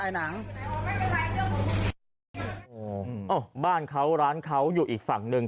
โอ้โหบ้านเขาร้านเขาอยู่อีกฝั่งหนึ่ง